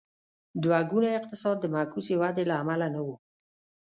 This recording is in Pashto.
دوه ګونی اقتصاد د معکوسې ودې له امله نه و.